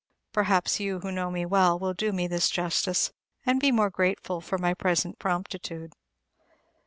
Perhaps you, who know me well, will do me this justice, and be the more grateful for my present promptitude.